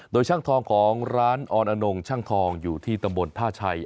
โดยช่างทองของร้านออนอนงช่างทองอยู่ที่ตำบลท่าชัย